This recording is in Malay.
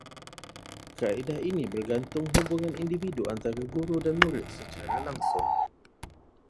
Kaedah ini bergantung hubungan individu antara guru dan murid secara langsung